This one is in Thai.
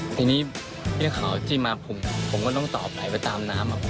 ทีนี้พี่ขาวจิมาผมก็ต้องต่อไผลไปตามน้ำ